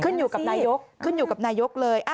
อยู่กับนายกขึ้นอยู่กับนายกเลย